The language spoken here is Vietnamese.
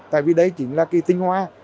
tại vì đấy chính là tinh hoa